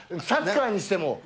サッカーにしても。